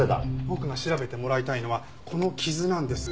僕が調べてもらいたいのはこの傷なんです。